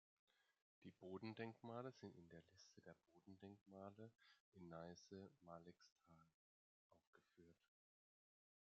Die Bodendenkmale sind in der Liste der Bodendenkmale in Neiße-Malxetal aufgeführt.